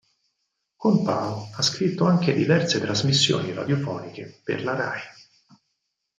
Con Pau ha scritto anche diverse trasmissioni radiofoniche per la Rai.